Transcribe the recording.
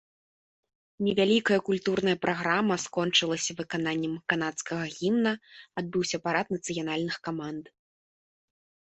Невялікая культурная праграма скончылася выкананнем канадскага гімна, адбыўся парад нацыянальных каманд.